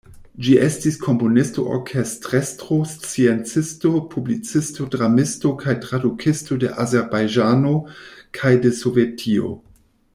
Ĝi estis komponisto, orkestrestro, sciencisto, publicisto, dramisto kaj tradukisto de Azerbajĝano kaj de Sovetio.